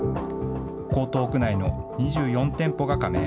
江東区内の２４店舗が加盟。